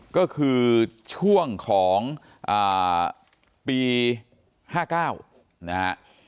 ก็คือช่วงของปี๕๙นะฮะ